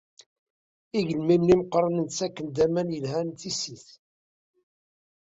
Igelmimen Imeqqranen ttaken-d aman yelhan i tissit.